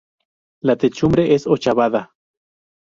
La techumbre es ochavada.